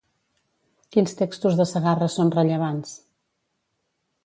Quins textos de Segarra són rellevants?